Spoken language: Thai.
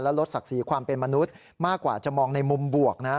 ลดศักดิ์ศรีความเป็นมนุษย์มากกว่าจะมองในมุมบวกนะ